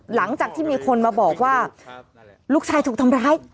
หลังจากที่มีคนมาบอกว่าลูกชายถูกทำร้าย